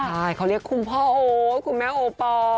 ใช่เขาเรียกคุณพ่อโอ๊คุณแม่โอปอล